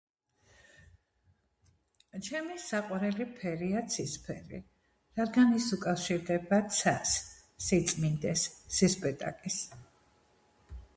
ჩემი საყვარელი ფერია ცისფერი რადგან ის უკავშირდება ცას სიწმინდეს სისპეტაკეს